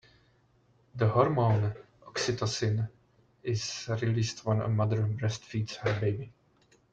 The hormone oxytocin is released when a mother breastfeeds her baby.